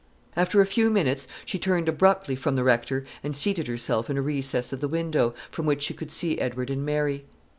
After a few minutes she turned abruptly from the Rector, and seated herself in a recess of the window, from which she could see Edward and Mary.